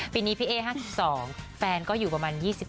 ปีนี้พี่เอ๊ห้าที่สองแฟนก็อยู่ประมาณ๒๑นะฮะ